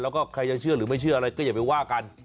แล้วก็ใครจะเชื่อหรือไม่เชื่ออะไรก็อย่าไปว่ากัน